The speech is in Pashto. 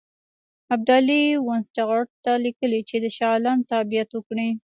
ابدالي وینسیټارټ ته لیکلي چې د شاه عالم تابعیت وکړي.